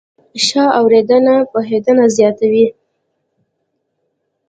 ښه اورېدنه پوهېدنه زیاتوي.